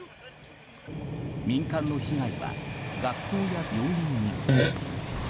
民間の被害は学校や病院にも。